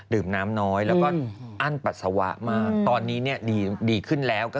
ดื่มน้ำน้อยแล้วก็